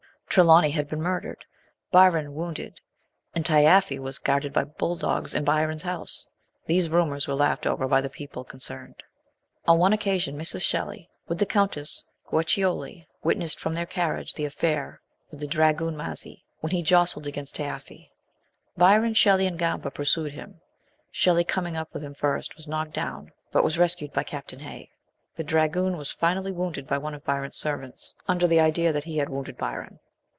Trelawny had been murdered Byron wounded and Taaffe was guarded by bull dogs in Byron's house ! These rumours were laughed over by the people concerned. On one occasion Mrs. Shelley, with the Countess Guiccioli, witnessed from their carriage the affair with the dragoon Masi, when he jostled against Taaffe. Byron, Shelley, and Gamba pursued him; Shelley, coming up with him first, was knocked down, but was rescued by Captain Hay. The dragoon was finally wounded by one of Byron's servants, under the idea that he had wounded Byron.